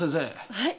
はい。